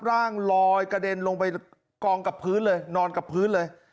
ร่างลอยกระเด็นลงไปกองกับพื้นเลยนอนกับพื้นเลย